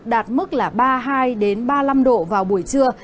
đạt mức là ba mươi hai ba mươi năm độ vào buổi trưa